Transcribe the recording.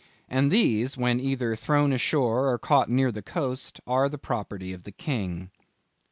And these, when either thrown ashore or caught near the coast, are the property of the king."